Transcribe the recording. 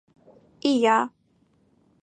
Ия!..